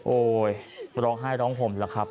โอ๊ยร้องไห้ร้องผมล่ะครับ